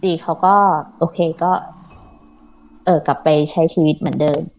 เขาก็โอเคก็กลับไปใช้ชีวิตเหมือนเดิม